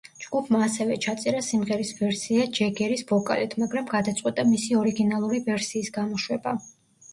ჯგუფმა ასევე ჩაწერა სიმღერის ვერსია ჯეგერის ვოკალით, მაგრამ გადაწყვიტა მისი ორიგინალური ვერსიის გამოშვება.